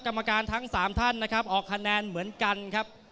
กรรมการทั้ง๓ท่านนะครับออกคะแนนเหมือนกันครับ